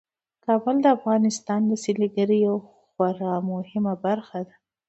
کابل د افغانستان د سیلګرۍ یوه خورا مهمه برخه ده.